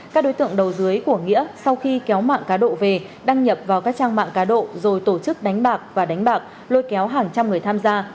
các đối tượng đầu dưới của nghĩa sau khi kéo mạng cá độ về đăng nhập vào các trang mạng cá độ rồi tổ chức đánh bạc và đánh bạc lôi kéo hàng trăm người tham gia